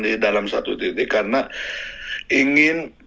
di dalam satu titik karena ingin